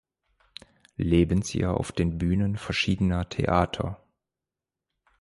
Lebensjahr auf den Bühnen verschiedener Theater.